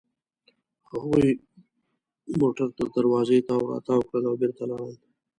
هغوی موټر تر دروازې تاو راتاو کړل او بېرته لاړل.